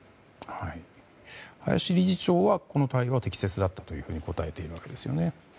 林理事長はこの対応は適切だったと答えているわけですよね。